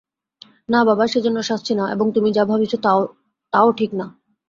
না বাবা, সে জন্যে সাজছি না এবং তুমি যা ভাবিছ তাও ঠিক না।